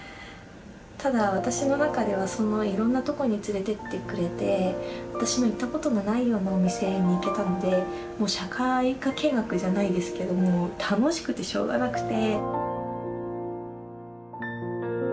ただ私の中ではいろんなとこに連れてってくれて私の行ったことのないようなお店に行けたので社会科見学じゃないですけどもう楽しくてしょうがなくて。